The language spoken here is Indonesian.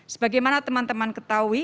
sebagai yang kalian tahu